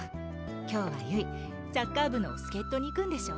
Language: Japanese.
今日はゆいサッカー部の助っ人に行くんでしょ？